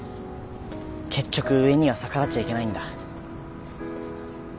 結局上には逆らっちゃいけないんだ。